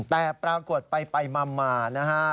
แต่ปรากฏไปมานะฮะ